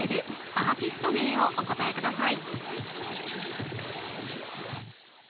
アーティスト名をお答えください